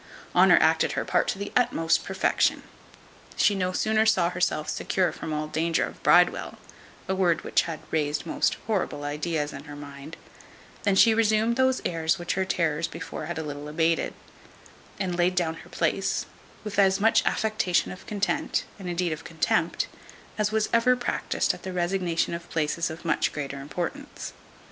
Honour acted her part to the utmost perfection. She no sooner saw herself secure from all danger of Bridewell, a word which had raised most horrible ideas in her mind, than she resumed those airs which her terrors before had a little abated; and laid down her place, with as much affectation of content, and indeed of contempt, as was ever practised at the resignation of places of much greater importance.